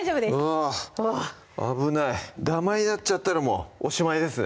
うわぁ危ないダマになっちゃたらもうおしまいですね